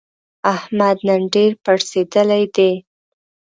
احمد نن ډېر پړسېدلی دی.